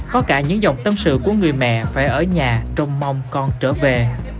có cả những dòng tâm sự của người mẹ phải ở nhà trông mong con trở về